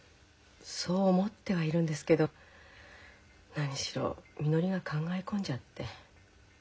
そう思ってはいるんですけど何しろみのりが考え込んじゃって。